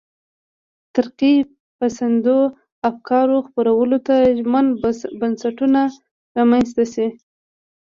ترقي پسندو افکارو خپرولو ته ژمن بنسټونه رامنځته شي.